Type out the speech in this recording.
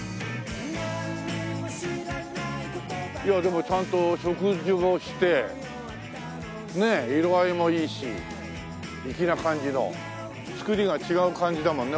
いやあでもちゃんと植樹をしてねえ色合いもいいし粋な感じの作りが違う感じだもんね。